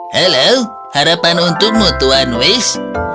halo harapan untukmu tuan wish